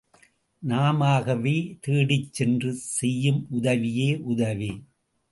நாமாகவே தேடிச் சென்று செய்யும் உதவியே உதவி.